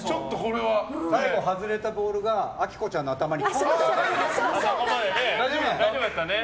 最後外れたボールがあきこちゃんの頭に。